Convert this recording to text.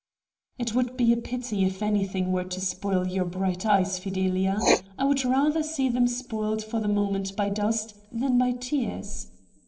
'It would be a pity if anything were to spoil your bright eyes, Fidelia ; I would rather see them spoiled for the moment by dust than by tears.